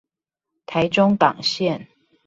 臺中港線